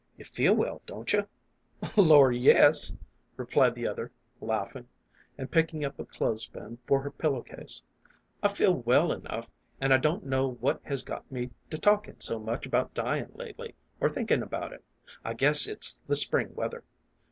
You feel well, don't you ?" A FAR A WA Y MELOD Y. 2 1 1 " Lor, yes," replied the other, laughing, and picking up a clothes pin for her pillow case ;" I feel well enough, an' I don't know what has got me to talkin' so much about dyin' lately, or thinkin' about it. I guess it's the spring weather.